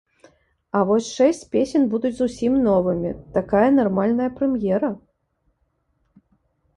А вось шэсць песень будуць зусім новымі, такая нармальная прэм'ера!